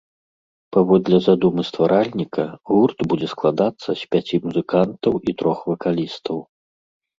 Паводле задумы стваральніка, гурт будзе складацца з пяці музыкантаў і трох вакалістаў.